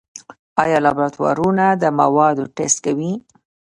آیا لابراتوارونه د موادو ټسټ کوي؟